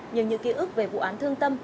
nhưng những ký ức về vụ án thương tâm